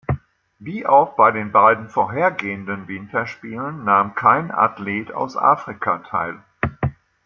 Wie auch bei den beiden vorhergehenden Winterspielen, nahm kein Athlet aus Afrika teil.